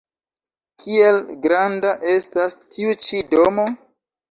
Kiel granda estas tiu-ĉi domo?